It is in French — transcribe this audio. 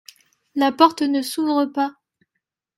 La porte ne s'ouvre pas.